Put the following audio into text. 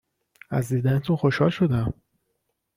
از دیدنتون خوشحال شدم